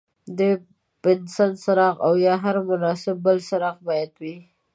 د بنسن څراغ او یا هر مناسب بل څراغ باید وي.